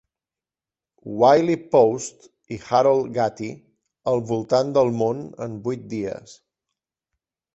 Wiley Post i Harold Gatty, "Al voltant del món en vuit dies".